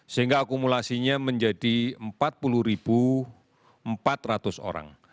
sehingga akumulasinya menjadi empat puluh empat ratus orang